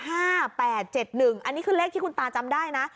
อันนี้คือเลขที่คุณตาจำได้นะ